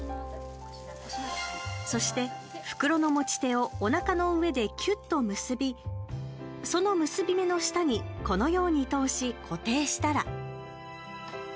そして、袋の持ち手をおなかの上で、きゅっと結びその結び目の下にこのように通し、固定したら。